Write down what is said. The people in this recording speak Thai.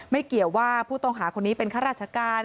เกี่ยวว่าผู้ต้องหาคนนี้เป็นข้าราชการ